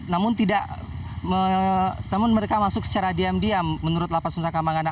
namun tidak namun mereka masuk secara diam diam menurut lapas nusa kambangan